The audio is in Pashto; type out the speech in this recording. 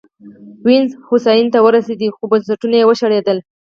وینز هوساینې ته ورسېد خو بنسټونه یې وشړېدل